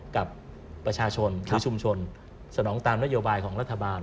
กับประชาชนหรือชุมชนสนองตามนโยบายของรัฐบาล